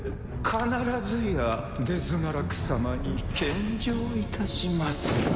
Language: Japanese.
必ずやデズナラク様に献上いたします。